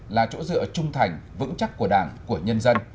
là chỗ dựa trung thành vững chắc của đảng của nhân dân